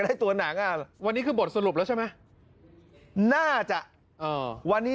ได้ตัวหนังอ่ะวันนี้คือบทสรุปแล้วใช่ไหมน่าจะเอ่อวันนี้